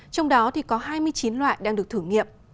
trong đó thì có hai mươi chín loại đang được thử nghiệm